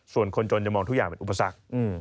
ส่วนคนจนจะมองทุกอย่างเป็นอุปสรรค